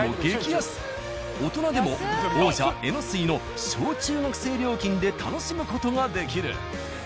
大人でも王者・えのすいの小中学生料金で楽しむ事ができる。